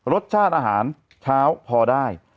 รสชาติอาหารเช้าพอได้